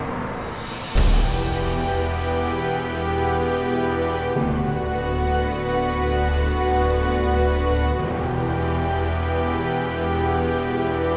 bagus bangun bagus